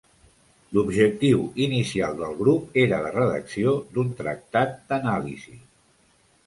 L'objectiu inicial del grup era la redacció d'un tractat d'anàlisi.